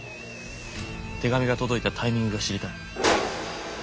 手紙が届いたタイミングが知りたい。